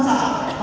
là tập sở